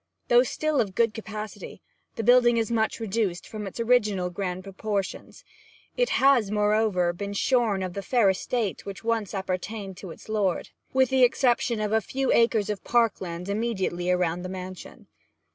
Though still of good capacity, the building is much reduced from its original grand proportions; it has, moreover, been shorn of the fair estate which once appertained to its lord, with the exception of a few acres of park land immediately around the mansion.